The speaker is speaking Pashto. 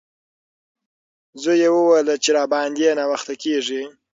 زوی یې وویل چې راباندې ناوخته کیږي.